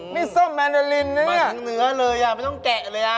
มีส้มแมนนาไล้นนะนี้นะคะมันเนื้อเลยค่ะไม่ต้องแกะเลยค่ะ